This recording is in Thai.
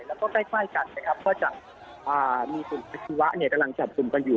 แล้วก็ได้ค่อยกันนะครับเพื่อจะมีส่วนศักดิ์สิทธิ์วะเนี่ยกำลังจับกลุ่มกันอยู่